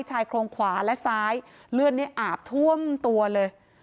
ชายโครงขวาและซ้ายเลือดเนี่ยอาบท่วมตัวเลย